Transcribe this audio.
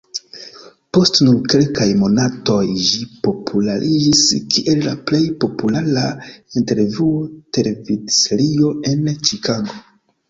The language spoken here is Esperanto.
Post nur kelkaj monatoj ĝi populariĝis kiel la plej populara intervjuo-televidserio en Ĉikago.